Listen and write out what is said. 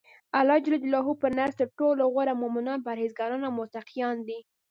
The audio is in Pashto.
الله ج په نزد ترټولو غوره مؤمنان پرهیزګاران او متقیان دی.